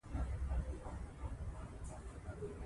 هوا د افغانانو ژوند اغېزمن کوي.